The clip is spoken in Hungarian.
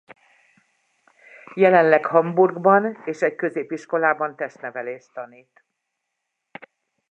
Jelenleg Hamburgban és egy középiskolában testnevelést tanít.